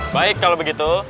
baik kalau begitu